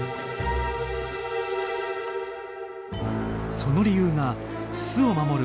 その理由が巣を守る